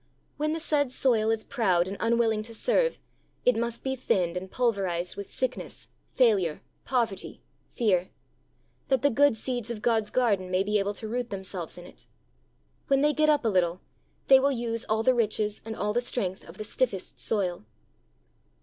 When the said soil is proud and unwilling to serve, it must be thinned and pulverized with sickness, failure, poverty, fear that the good seeds of God's garden may be able to root themselves in it; when they get up a little, they will use all the riches and all the strength of the stiffest soil.